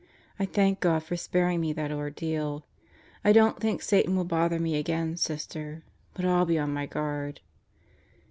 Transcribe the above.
I thank God for sparing me that ordeal. I don't think Satan will bother me again, Sister; but I'll be on my guard."